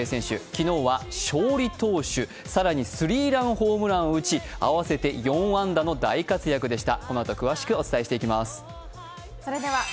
昨日は勝利投手、更にスリーランホームランを打ち合わせて４安打の大活躍でした。